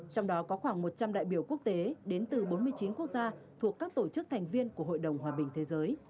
trong đó có khoảng một trăm linh đại biểu quốc tế đến từ bốn mươi chín quốc gia thuộc các tổ chức thành viên của hội đồng hòa bình thế giới